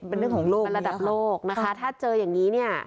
เป็นเรื่องของโลกเป็นระดับโลกนะคะถ้าเจออย่างนี้เนี่ย